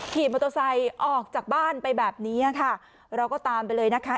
ขี่มอเตอร์ไซค์ออกจากบ้านไปแบบนี้ค่ะเราก็ตามไปเลยนะคะ